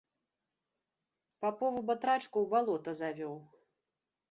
Папову батрачку ў балота завёў.